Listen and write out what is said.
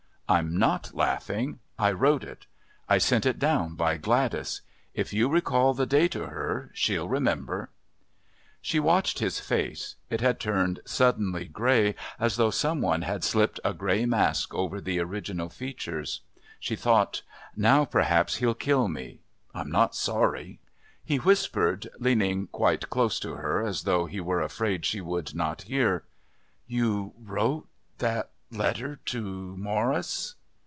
"I'm not laughing. I wrote it. I sent it down by Gladys. If you recall the day to her she'll remember." She watched his face. It had turned suddenly grey, as though some one had slipped a grey mask over the original features. She thought, "Now perhaps he'll kill me. I'm not sorry." He whispered, leaning quite close to her as though he were afraid she would not hear. "You wrote that letter to Morris?"